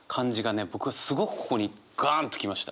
僕はすごくここにガンと来ました。